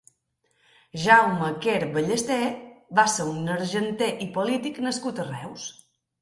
Jaume Quer Ballester va ser un argenter i polític nascut a Reus.